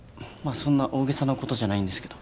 そんな大げさな事じゃないんですけど。